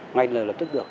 ngay lần lập tức được